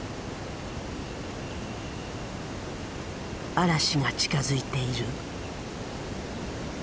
嵐が近づいている。